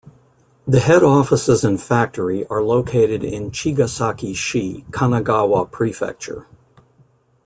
The head offices and factory are located in Chigasaki-shi, Kanagawa Prefecture.